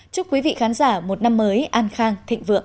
chúc quý vị khán giả một năm mới an khang thịnh vượng